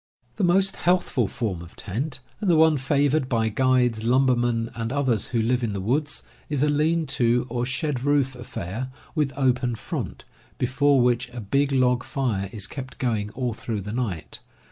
The most healthful form of tent, and the one favored by guides, lumbermen, and others who live in the woods, is a lean to or shed roof affair with open ean o front, before which a big log fire is kept ' going all through the night.